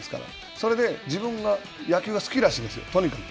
それで自分が野球が好きらしいんですよ、とにかく。